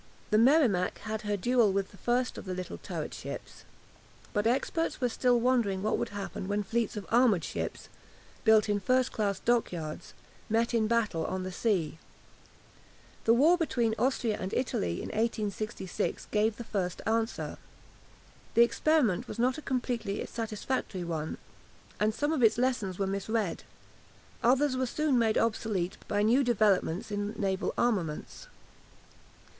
The "Merrimac" had had her duel with the first of the little turret ships. But experts were still wondering what would happen when fleets of armoured ships, built in first class dockyards, met in battle on the sea. The war between Austria and Italy in 1866 gave the first answer. The experiment was not a completely satisfactory one, and some of its lessons were misread. Others were soon made obsolete by new developments in naval armaments.